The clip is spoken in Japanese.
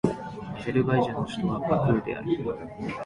アゼルバイジャンの首都はバクーである